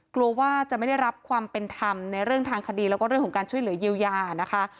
กลัวว่าจะไม่ได้รับความเป็นธรรมในเรื่องทางคดีแล้วก็เรื่องของการช่วยเหลือเยียวยานะคะ